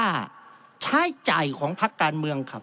มีส่วนร่วมในการออกสตังค์เป็นค่าใช้ใจของพักการเมืองครับ